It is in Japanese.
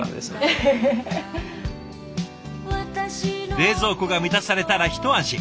冷蔵庫が満たされたら一安心。